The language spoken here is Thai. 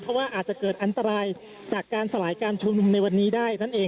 เพราะว่าอาจจะเกิดอันตรายจากการสลายการชุมนุมในวันนี้ได้นั่นเอง